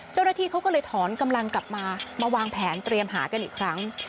เจ้าหน้าที่เขาก็เลยถอนกำลังกลับมามาวางแผนเตรียมหากันอีกครั้ง